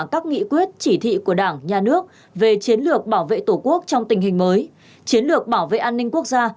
các nghị quyết chỉ thị của đảng nhà nước về chiến lược bảo vệ tổ quốc trong tình hình mới chiến lược bảo vệ an ninh quốc gia